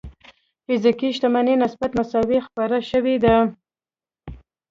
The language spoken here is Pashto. فزيکي شتمنۍ نسبت مساوي خپره شوې ده.